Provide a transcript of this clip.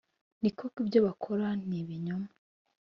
ni koko ibyo bakora ni ibinyoma: